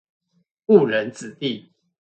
誤人子弟